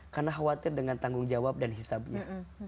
karena khawatir dengan tanggung jawab dan hisabnya